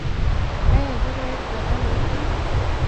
ایا زه باید بادام وخورم؟